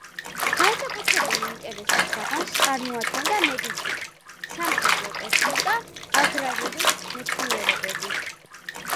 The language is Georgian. განსაკუთრებული ინტერესის საგანს წარმოადგენდა მედიცინა, სამხედრო ტექნიკა, აგრარული მეცნიერებები.